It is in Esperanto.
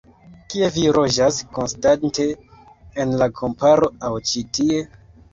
Kie vi loĝas konstante, en la kamparo aŭ ĉi tie?